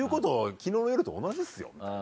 昨日の夜と同じですよみたいな。